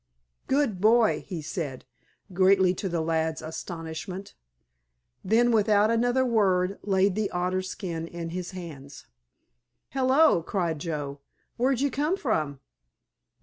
"Good boy," he said, greatly to the lad's astonishment. Then without another word laid the otter skin in his hands. "Hello," cried Joe, "where'd you come from?"